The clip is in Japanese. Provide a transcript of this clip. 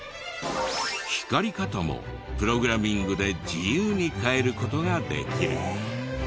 光り方もプログラミングで自由に変える事ができる。